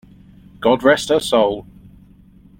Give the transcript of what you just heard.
God rest her soul!